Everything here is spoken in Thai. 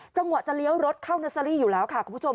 เวลาที่จะเลี้ยวรถเข้าเชรอยู่แล้วค่ะคุณผู้ชม